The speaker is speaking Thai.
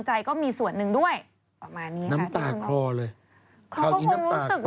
เขาก็คงรู้สึกอืม